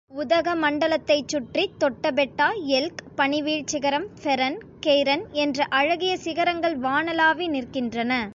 உதகமண்டலத்தைச் சுற்றித் தொட்டபெட்டா, எல்க், பனிவீழ்சிகரம், Fern, Cairn என்ற அழகிய சிகரங்கள் வானளாவி நிற்கின்றன.